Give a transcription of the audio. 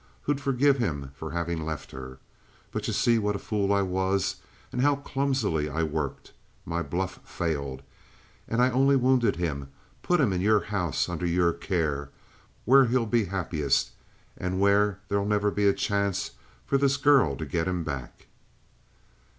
Who'd forgive him for having left her. But you see what a fool I was and how clumsily I worked? My bluff failed, and I only wounded him, put him in your house, under your care, where he'll be happiest, and where there'll never be a chance for this girl to get him back."